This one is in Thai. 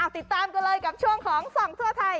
ติดตามกันเลยกับช่วงของส่องทั่วไทย